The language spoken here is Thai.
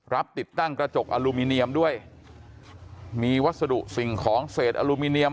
ติดตั้งกระจกอลูมิเนียมด้วยมีวัสดุสิ่งของเศษอลูมิเนียม